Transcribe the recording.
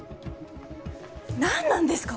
何なんですか？